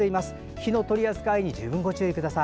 火の取り扱いに十分ご注意ください。